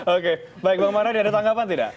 oke baik bang mardadi ada tanggapan tidak